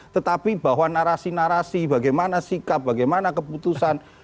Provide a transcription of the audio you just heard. tetapi bahwa narasi narasi bagaimana sikap bagaimana keputusan